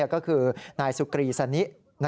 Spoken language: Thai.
ก็คือนายสุกรีสนิ